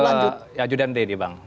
kita fokus ke yajudante nih bang